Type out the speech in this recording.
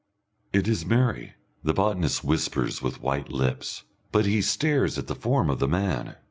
"It is Mary," the botanist whispers with white lips, but he stares at the form of the man.